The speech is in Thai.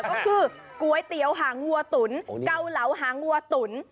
ก็คือก๋วยเตี๋ยวหางวัวตุ๋นเกาเหลาหางวัวตุ๋น